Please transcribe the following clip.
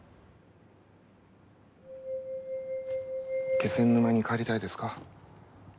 気仙沼に帰りたいですか？